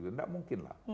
tidak mungkin lah